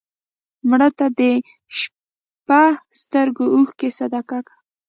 مړه ته د شپه سترګو اوښکې صدقه کړه